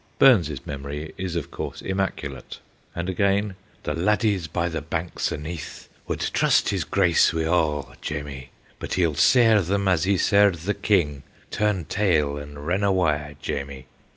Burns' s memory is, of course, immaculate. And again :* The laddies by the banks o' Nith Wad trust his Grace wi' a', Jamie ; But he '11 sair them as he sair'd the King, Turn tail and rin awa', Jamie.